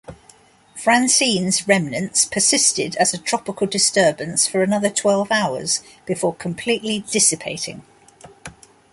Francene's remnants persisted as a tropical disturbance for another twelve hours, before completely dissipating.